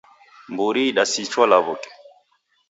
Mburi idasichwa lawuke.